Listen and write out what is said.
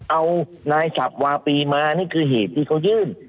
เอานายฉับวาปีมานี่คือเหตุที่เขายื่น